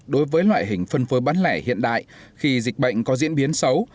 đối với loại hình phân phối bán lẻ hiện đại khi dịch bệnh có diễn biến xấu